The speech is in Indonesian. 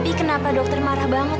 tapi kenapa dokter marah banget